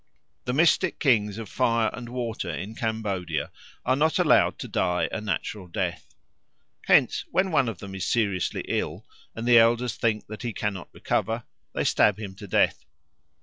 The mystic kings of Fire and Water in Cambodia are not allowed to die a natural death. Hence when one of them is seriously ill and the elders think that he cannot recover, they stab him to death.